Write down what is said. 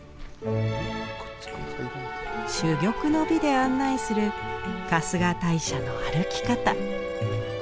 珠玉の美で案内する春日大社の歩き方。